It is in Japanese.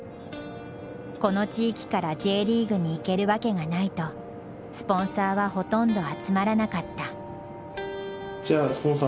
この地域からＪリーグに行けるわけがないとスポンサーはほとんど集まらなかった。